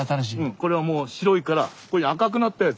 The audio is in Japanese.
これはもう白いからこういうふうに赤くなったやつ。